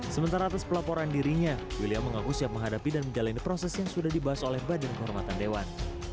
sementara atas pelaporan dirinya william mengaku siap menghadapi dan menjalani proses yang sudah dibahas oleh badan kehormatan dewan